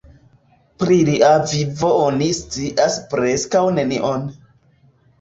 Pri lia vivo oni scias preskaŭ nenion.